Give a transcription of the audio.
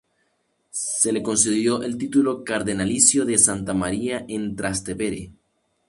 Se le concedió el título cardenalicio de "Santa María en Trastevere".